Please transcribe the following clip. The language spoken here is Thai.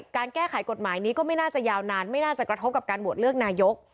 การแก้ไขกฎหมายนี้ก็ไม่น่าจะยาวนานไม่น่าจะกระทบกับการโหวตเลือกนายก